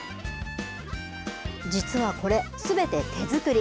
実は、これすべて手作り。